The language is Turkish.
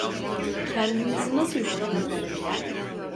Kendinizi nasıl üşüttünüz?